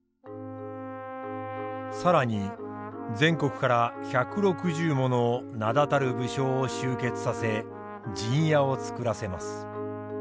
更に全国から１６０もの名だたる武将を集結させ陣屋を造らせます。